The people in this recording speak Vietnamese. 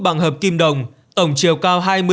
bằng hợp kim đồng tổng chiều cao